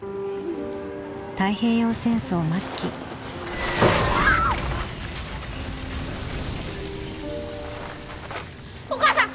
太平洋戦争末期お母さん！